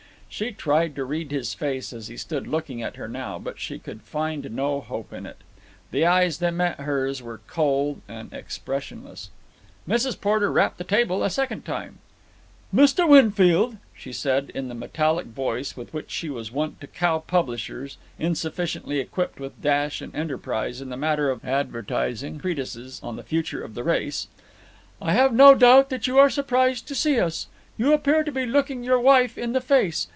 She tried to read his face as he stood looking at her now, but she could find no hope in it. The eyes that met hers were cold and expressionless. Mrs. Porter rapped the table a second time. "Mr. Winfield," she said in the metallic voice with which she was wont to cow publishers insufficiently equipped with dash and enterprise in the matter of advertising treatises on the future of the race, "I have no doubt you are surprised to see us. You appear to be looking your wife in the face.